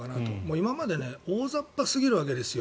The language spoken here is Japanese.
今まで大雑把すぎるわけですよ。